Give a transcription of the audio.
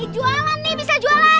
jualan nih bisa jualan